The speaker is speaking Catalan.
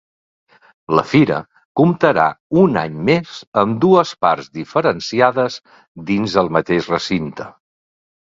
La fira comptarà un any més amb dues parts diferenciades dins el mateix recinte.